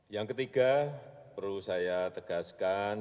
yang ketiga perlu saya tegaskan